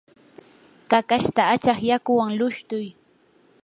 kakashta achaq yakuwan lushtuy.